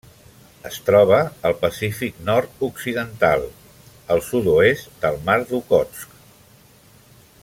Es troba al Pacífic nord-occidental: el sud-oest del mar d'Okhotsk.